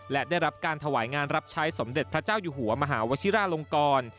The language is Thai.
และได้รับการถวายงานรับใช้สมเด็จพระเจ้าอยู่หัวมหาวชิราลงกร